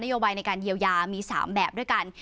โยบายในการเยียวยามี๓แบบด้วยกัน